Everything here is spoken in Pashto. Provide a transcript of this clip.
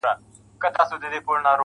زه مي پر خپلي بې وسۍ باندي پښېمان هم يم,